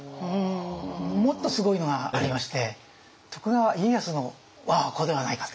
もっとすごいのがありまして徳川家康の我が子ではないかと。